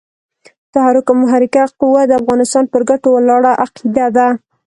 تحرک محرکه قوه د افغانستان پر ګټو ولاړه عقیده ده.